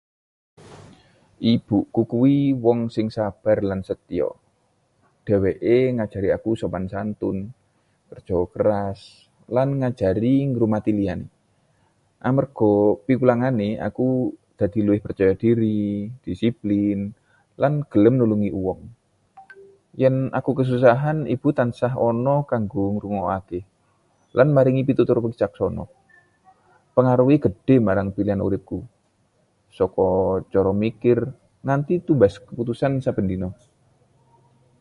Ibuku kuwi wong sing sabar lan setya. Dheweke nganjari aku sopan santun, kerja keras, lan ngajari ngurmati liyan. Amarga piwulangé, aku dadi luwih percaya dhiri, disiplin, lan gelem nulungi wong. Yen aku kesusahan, ibu tansah ana kanggo ngrungokké lan maringi pitutur wicaksana. Pengaruhé gedhé marang pilihan uripku, saka cara mikir nganti tumbas keputusan saben dina.